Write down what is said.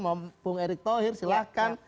mau bung erik tohir silahkan